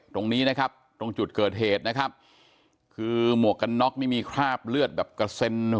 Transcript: ตรงนี้นะครับตรงจุดเกิดเหตุนะครับคือหมวกกันน็อกนี่มีคราบเลือดแบบกระเซ็น